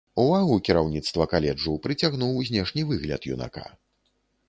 Увагу кіраўніцтва каледжу прыцягнуў знешні выгляд юнака.